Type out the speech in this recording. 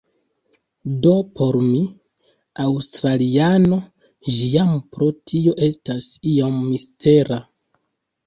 Do por mi, aŭstraliano, ĝi jam pro tio estas iom mistera.